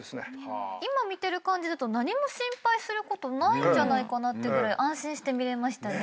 今見てる感じだと何も心配することないんじゃないかなってぐらい安心して見れましたね。